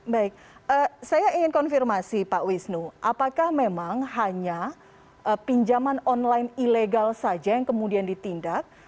baik saya ingin konfirmasi pak wisnu apakah memang hanya pinjaman online ilegal saja yang kemudian ditindak